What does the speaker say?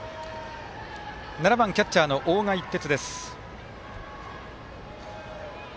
７番、キャッチャーの大賀一徹。